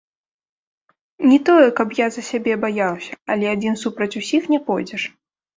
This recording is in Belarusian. Не тое каб я за сябе баяўся, але адзін супраць усіх не пойдзеш.